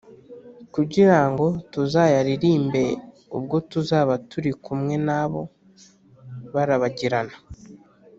kugira ngo tuzayiririmbe ubwo tuzaba turi kumwe nabo barabagirana.